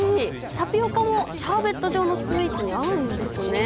タピオカもシャーベット状のスイーツに合うんですね。